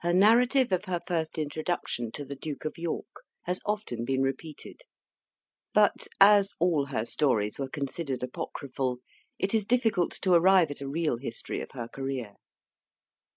Her narrative of her first introduction to the Duke of York has often been repeated; but, as all her stories were considered apocryphal, it is difficult to arrive at a real history of her career.